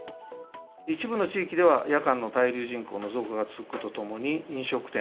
一部の地域では、夜間の滞留人口の増加が続くとともに、飲食店、